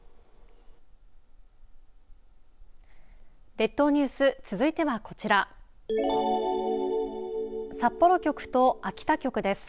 列島ニュース続いてはこちら札幌局と秋田局です。